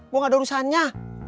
gue nggak ada urusannya